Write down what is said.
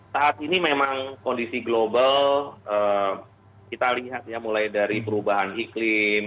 saat ini memang kondisi global kita lihat ya mulai dari perubahan iklim